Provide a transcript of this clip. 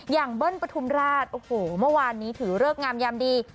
เบิ้ลปฐุมราชโอ้โหเมื่อวานนี้ถือเลิกงามยามดี